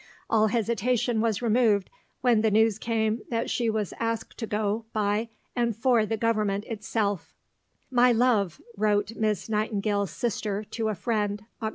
All hesitation was removed when the news came that she was asked to go by and for the Government itself: "MY LOVE," wrote Miss Nightingale's sister to a friend (Oct.